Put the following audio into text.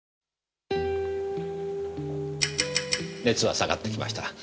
熱は下がってきました。